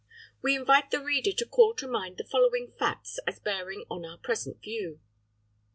We invite the reader to call to mind the following facts as bearing on our present view.